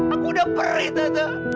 aku udah perih tante